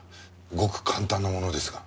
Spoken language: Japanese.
ごく簡単なものですが。